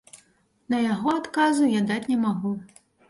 На яго адказу я даць не магу.